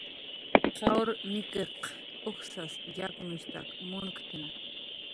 Qawr nik'iq ujsas yaknushtak munktna